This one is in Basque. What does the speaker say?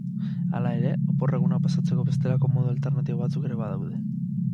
Hala ere, oporregunak pasatzeko bestelako modu alternatibo batzuk ere badaude.